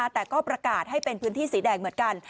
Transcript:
แต่ก็ประกาศให้เป็นพื้นที่สีแดงเหมือนกัน